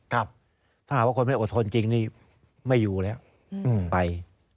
ถ้าหากว่าคนไม่อดทนจริงนี่ไม่อยู่แล้วไป